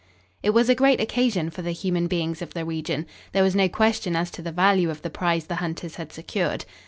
It was a great occasion for the human beings of the region. There was no question as to the value of the prize the hunters had secured.